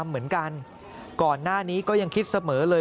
สุดท้ายก็คือไม่ได้มา